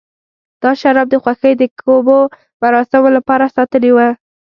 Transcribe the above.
دا شراب د خوښۍ د کومو مراسمو لپاره ساتلي و.